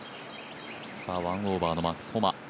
１オーバーのマックス・ホマ。